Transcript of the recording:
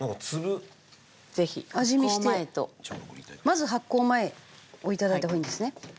まず発酵前をいただいた方がいいんですね。